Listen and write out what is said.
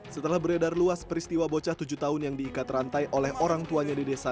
setelah beredar luas peristiwa bocah tujuh tahun yang diikat rantai oleh orang tuanya di desa